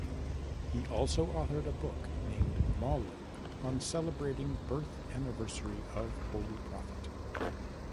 He also authored a book named Mawlid on celebrating birth anniversary of Holy Prophet.